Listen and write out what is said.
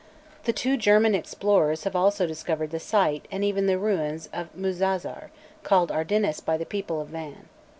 The two German explorers have also discovered the site and even the ruins of Muzazir, called Ardinis by the people of Van.